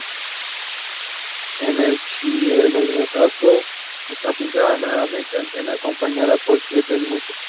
En el cielorraso está pintada nuevamente Atenea acompañada por siete musas.